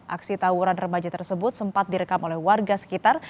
aksi tawuran remaja tersebut sempat direkam oleh warga sekitar